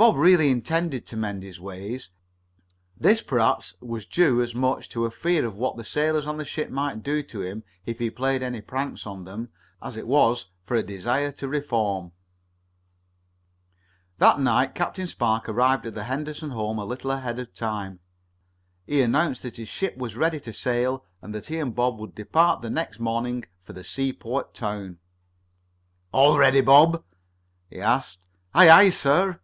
Bob really intended to mend his ways. This, perhaps, was due as much to a fear of what the sailors on the ship might do to him if he played any pranks on them as it was to a desire to reform. That same night Captain Spark arrived at the Henderson home a little ahead of time. He announced that his ship was ready to sail, and that he and Bob would depart the next morning for the seaport town. "All ready, Bob?" he asked. "Aye, aye, sir."